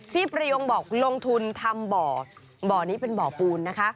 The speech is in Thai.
ประโยงบอกลงทุนทำบ่อบ่อนี้เป็นบ่อปูนนะคะ